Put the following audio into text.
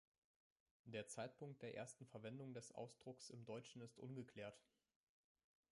Der Zeitpunkt der ersten Verwendung des Ausdrucks im Deutschen ist ungeklärt.